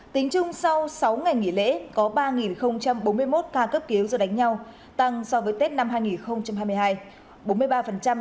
tính chung sau sáu ngày nghỉ lễ có ba bốn mươi một ca cấp cứu do đánh nhau tăng so với tết năm hai nghìn hai mươi hai